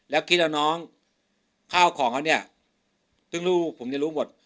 แล้วคิดเอาน้องข้าวของเขาเนี่ยซึ่งลูกผมจะรู้หมด